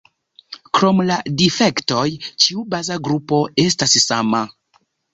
Krom la difektoj, ĉiu baza grupo estas sama.